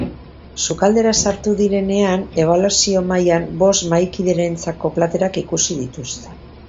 Sukaldera sartu direnean, ebaluazio mahaian bost mahaikiderentzako platerak ikusi dituzte.